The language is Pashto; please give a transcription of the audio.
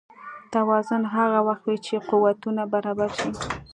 توازن هغه وخت وي چې قوتونه برابر شي.